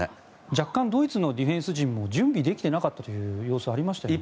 若干ドイツのディフェンス陣も準備できていなかったという様子がありましたよね。